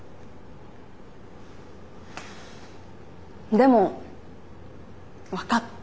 でも分かった。